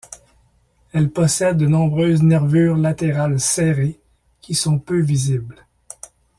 Elles possèdent de nombreuses nervures latérales serrées, qui sont peu visibles.